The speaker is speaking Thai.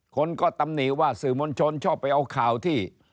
คนก็ตำหนิว่าสื่อมวลชนชอบไปเอาข่าวที่